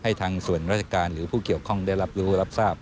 ให้ทางส่วนราชการหรือผู้เกี่ยวข้องได้รับรู้รับทราบ